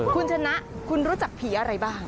คุณชนะคุณรู้จักผีอะไรบ้าง